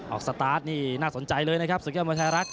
สตาร์ทนี่น่าสนใจเลยนะครับศึกยอดมวยไทยรัฐ